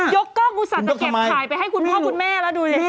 กล้องอุตส่าห์จะเก็บขายไปให้คุณพ่อคุณแม่แล้วดูสิ